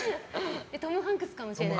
トム・ハンクスかもしれない。